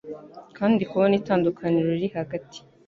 kandi kubona itandukaniro riri hagati